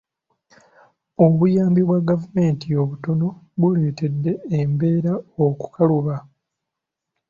Obuyambi bwa gavumenti obutono buleetedde embeera okukaluba.